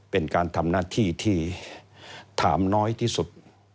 เป็นการทำหน้าที่ที่ถามน้อยที่สุด